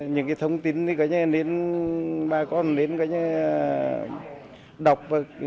những thông tin bà con đến đọc